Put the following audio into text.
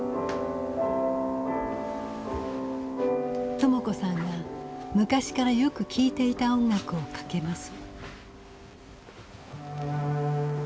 朋子さんが昔からよく聞いていた音楽をかけます。